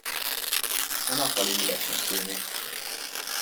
A nappali üresnek tűnik.